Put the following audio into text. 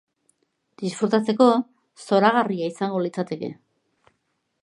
Disfrutatzeko, zoragarria izango litzateke.